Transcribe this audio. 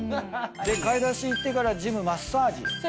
で買い出し行ってからジムマッサージ。